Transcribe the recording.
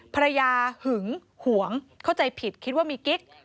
ภรรยาหึงห่วงเขาใจผิดคิดว่ามีกิ๊ก